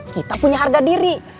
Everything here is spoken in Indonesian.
kita punya harga diri